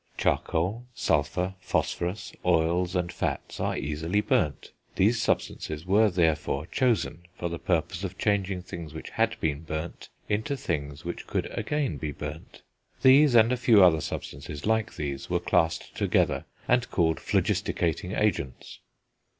Charcoal, sulphur, phosphorus, oils and fats are easily burnt; these substances were, therefore, chosen for the purpose of changing things which had been burnt into things which could again be burnt; these, and a few other substances like these, were classed together, and called phlogisticating agents.